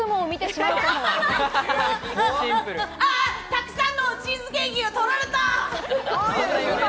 たくさんのチーズケーキが取られた！